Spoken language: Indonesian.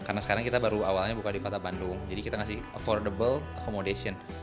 karena sekarang kita baru awalnya buka di kota bandung jadi kita kasih affordable accommodation